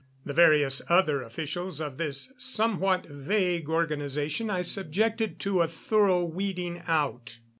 The various other officials of this somewhat vague organization I subjected to a thorough weeding out.